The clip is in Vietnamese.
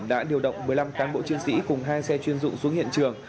đã điều động một mươi năm cán bộ chiến sĩ cùng hai xe chuyên dụng xuống hiện trường